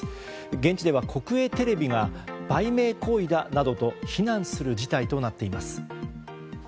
現地では国営テレビが売名行為だなどと非難する事態となっています。